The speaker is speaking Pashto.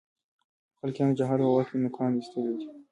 خلقیانو د جهاد په وخت کې نوکان اېستلي دي.